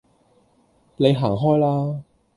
你行開啦